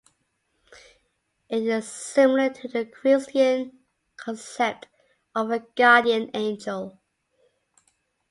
It is similar to the Christian concept of a guardian angel.